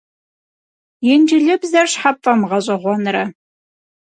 Инджылызыбзэр щхьэ пфӀэмыгъэщӀэгъуэнрэ?